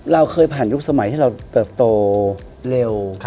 เราเคยผ่านยุคสมัยที่เราเติบโตเร็ว